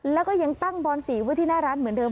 แล้วก็ยังตั้งบอนสีไว้ที่หน้าร้านเหมือนเดิ